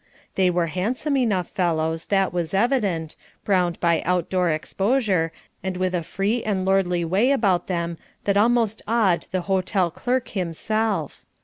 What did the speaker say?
They were handsome enough fellows, that was evident, browned by out door exposure, and with a free and lordly way about them that almost awed the hotel clerk himself.